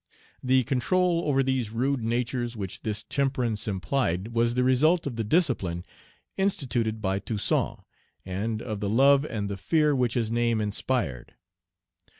The control over these rude natures which this temperance implied was the result of the discipline instituted by Toussaint, and of the love and the fear which his name inspired.